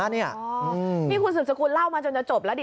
นี่คุณสุดสกุลเล่ามาจนจะจบแล้วดิ